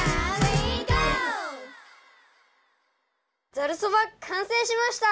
ざるそばかんせいしました！